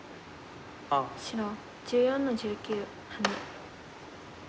白１４の十九ハネ。